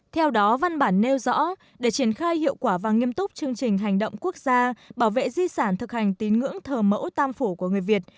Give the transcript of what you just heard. theo đó văn bản nêu rõ để triển khai hiệu quả và nghiêm túc chương trình hành động quốc gia bảo vệ di sản thực hành tín ngưỡng thờ mẫu tam phủ của người việt